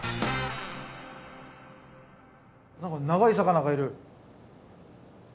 何か長い魚がいる。